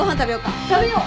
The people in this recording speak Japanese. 食べよう！